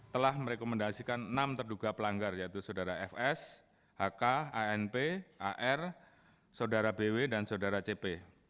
telah merekomendasikan enam terduga pelanggar yaitu saudara fs hk anp ar saudara bw dan saudara cp